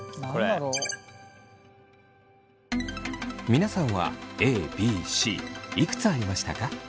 皆さんはＡＢＣいくつありましたか？